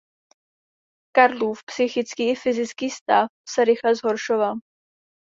Karlův psychický i fyzický stav se rychle zhoršoval.